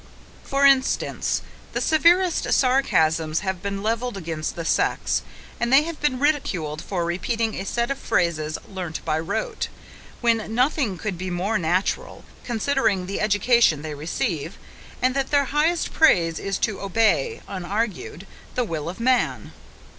For instance, the severest sarcasms have been levelled against the sex, and they have been ridiculed for repeating "a set of phrases learnt by rote," when nothing could be more natural, considering the education they receive, and that their "highest praise is to obey, unargued" the will of man.